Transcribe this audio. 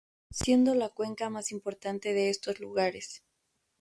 Siendo la cuenca más importante de estos lugares.